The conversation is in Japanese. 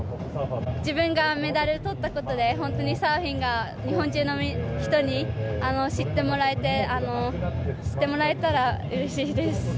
自分がメダルとったことで、本当にサーフィンが、日本中の人に、知ってもらえたらうれしいです。